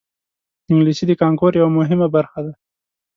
انګلیسي د کانکور یوه مهمه برخه ده